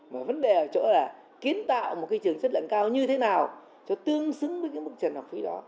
mà vấn đề ở chỗ là kiến tạo một cái trường chất lượng cao như thế nào cho tương xứng với cái mức trần học phí đó